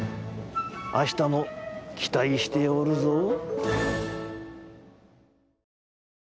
あしたもきたいしておるぞ。